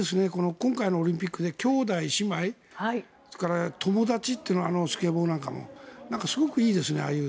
今回のオリンピック兄弟、姉妹友達というのはスケボーなんかもすごくいいですね。